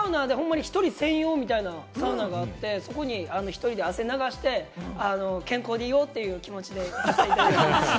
個室サウナでホンマに１人専用みたいなサウナがあって、そこに１人で汗流して、健康でいいよという気持ちでいます。